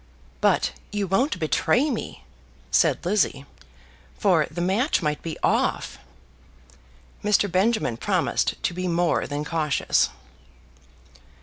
"But you won't betray me," said Lizzie, "for the match might be off." Mr. Benjamin promised to be more than cautious.